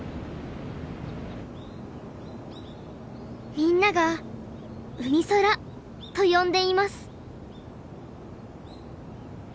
みんなが「うみそら」と呼んでいます。